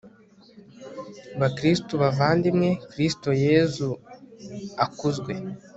bakristu, bavandimwe, kristu yezu akuzwe